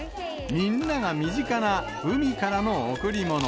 みんなが身近な海からの贈り物。